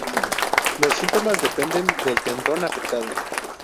Los síntomas dependen del tendón afectado.